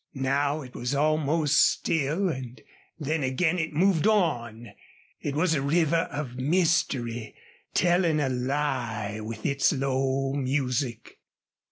Now it was almost still, and then again it moved on. It was a river of mystery telling a lie with its low music.